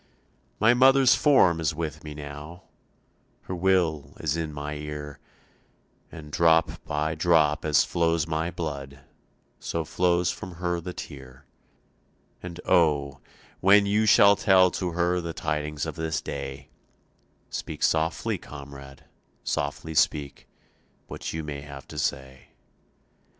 "My mother's form is with me now, Her will is in my ear, And drop by drop as flows my blood So flows from her the tear. And oh, when you shall tell to her The tidings of this day, Speak softly, comrade, softly speak What you may have to say.